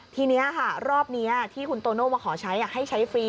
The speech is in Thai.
ทีนี้ค่ะรอบนี้ที่คุณโตโน่มาขอใช้ให้ใช้ฟรี